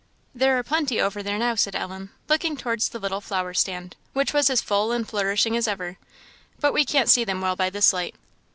"There are plenty over there now," said Ellen, looking towards the little flower stand, which was as full and flourishing as ever; "but we can't see them well by this light."